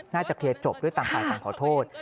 น่าจะเคลียร์จบด้วยต่างภายความขอโทษ